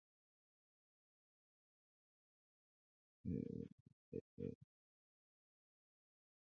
La municipa teritorio limas okcidente kun la provinco Burgoso.